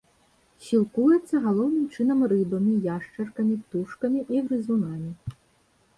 Сілкуецца галоўным чынам рыбамі, яшчаркамі, птушкамі і грызунамі.